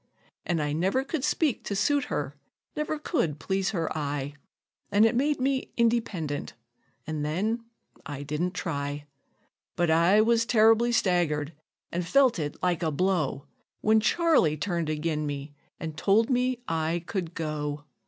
An' I never could speak to suit her, never could please her eye, An' it made me independent, an' then I didn't try; But I was terribly staggered, an' felt it like a blow, When Charley turned ag'in me, an' told me I could go.